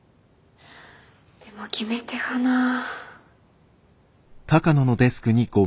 でも決め手がなあ。